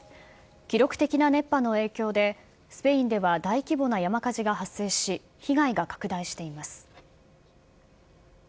記録的な熱波の影響で、スペインでは大規模な山火事が発生し、被害が拡大しています。